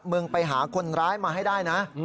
มึงไปหาคนร้ายมาให้ได้นะ